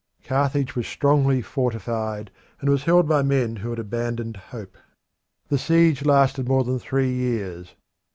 Carthage was strongly fortified, and it was held by men who had abandoned hope. The siege lasted more than three years.